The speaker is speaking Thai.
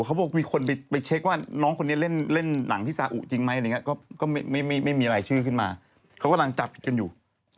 เขามีอีกคนหนึ่งที่ตอนนี้เขาลังจับผิดกันอยู่